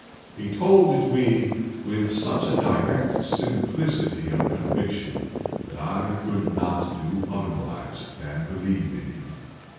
He told it me with such a direct simplicity of conviction that I could not do otherwise than believe in him.